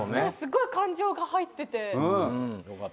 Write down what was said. すごい感情が入ってて。